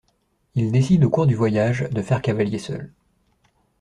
Il décide au cours du voyage de faire cavalier seul.